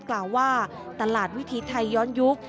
กล่าวว่าตลาดวิถีไทยย้อนยุค